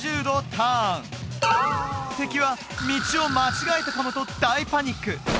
ターン敵は道を間違えたかもと大パニック！